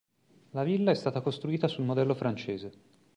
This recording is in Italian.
La villa è stata costruita sul modello francese.